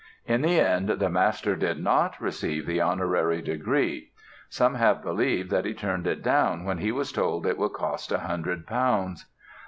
In the end the master did not receive the honorary degree. Some have believed that he turned it down when he was told it would cost 100 Pounds.